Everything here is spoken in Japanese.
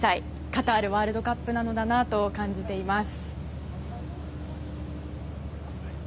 カタールワールドカップなのだなと感じています。